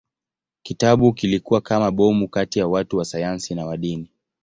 Kitabu kilikuwa kama bomu kati ya watu wa sayansi na wa dini.